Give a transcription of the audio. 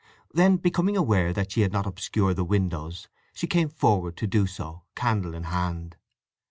Then becoming aware that she had not obscured the windows she came forward to do so, candle in hand.